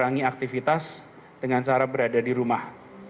mengurangi aktivitas dengan cara berada di rumah